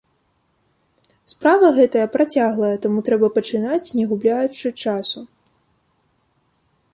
Справа гэтая працяглая, таму трэба пачынаць не губляючы часу.